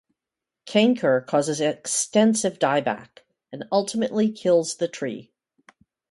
Canker causes extensive dieback and ultimately kills the tree.